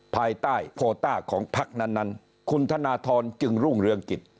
ภายใต้โพต้าของพักนั้นคุณธนทรจึงรุ่งเรืองกิจ